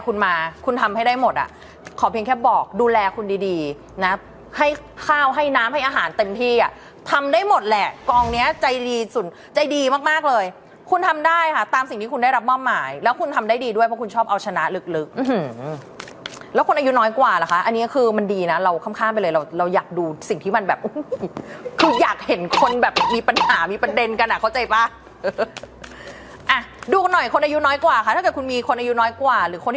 คุณมาคุณทำให้ได้หมดอ่ะขอเพียงแค่บอกดูแลคุณดีนะให้ข้าวให้น้ำให้อาหารเต็มที่อ่ะทำได้หมดแหละกองเนี้ยใจดีสุดใจดีมากเลยคุณทำได้ค่ะตามสิ่งที่คุณได้รับมอบหมายแล้วคุณทำได้ดีด้วยเพราะคุณชอบเอาชนะลึกแล้วคนอายุน้อยกว่าล่ะคะอันนี้คือมันดีนะเราข้ามไปเลยเราอยากดูสิ่งที่มันแบบคืออยากเห็นคนแ